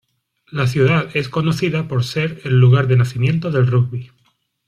La ciudad es conocida por ser el lugar de nacimiento del rugby.